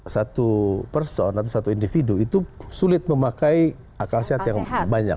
satu person atau satu individu itu sulit memakai akal sehat yang banyak